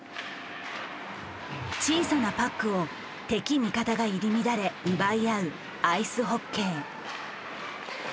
小さなパックを敵味方が入り乱れ奪い合うアイスホッケー。